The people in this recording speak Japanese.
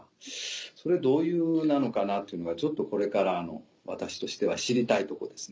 それどういうふうなのかなというのがちょっとこれからの私としては知りたいとこです。